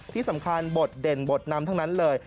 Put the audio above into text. ที่สำคัญบทเด่นบทนำทั้งนั้นเลย